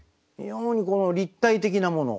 非常にこの立体的なもの。